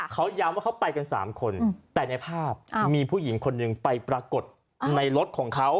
เขาย้ำว่าเขาไปกัน๓คนแต่ในภาพมีผู้หญิงคนหนึ่งไปปรากฏในรถของเขา